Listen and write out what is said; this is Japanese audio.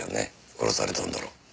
殺されたんだろ？